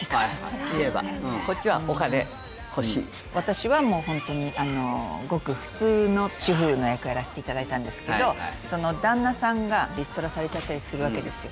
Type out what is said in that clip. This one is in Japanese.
言えばこっちはお金欲しい私はホントにごく普通の主婦の役やらしていただいたんですけど旦那さんがリストラされちゃったりするわけですよ